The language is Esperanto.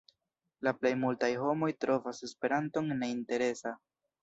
La plej multaj homoj trovas Esperanton neinteresa.